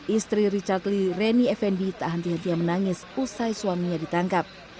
istri richard lee reni effendi tak henti henti menangis usai suaminya ditangkap